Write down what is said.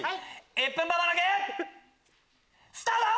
１分ババ抜きスタート！